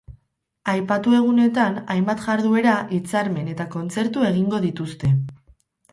Aipatu egunetan, hainbat jarduera, hitzarmen eta kontzertu egingo dituzte.